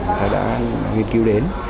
người ta đã nghiên cứu đến